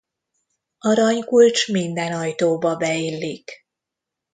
Aranykulcs minden ajtóba beillik.